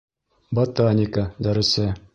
Ботаника дәресе.